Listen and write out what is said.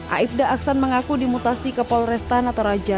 aibda aksan mengaku dimutasi ke polres tanatoraja